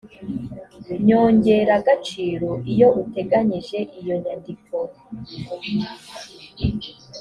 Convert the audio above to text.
nyongeragaciro iyo uteganyijwe iyo nyandiko